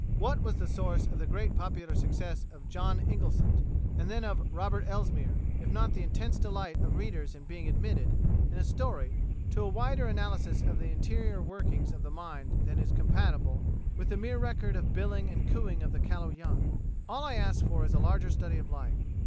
What was the source of the great popular success of 'John Inglesant,' and then of 'Robert Elsmere,' if not the intense delight of readers in being admitted, in a story, to a wider analysis of the interior workings of the mind than is compatible with the mere record of billing and cooing of the callow young? ... All I ask for is a larger study of life.